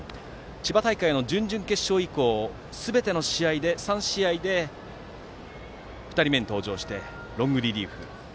千葉大会の準々決勝以降すべての試合、３試合で２人目に登場してロングリリーフ。